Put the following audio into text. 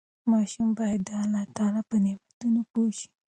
ماشومان باید د الله تعالی په نعمتونو پوه شي.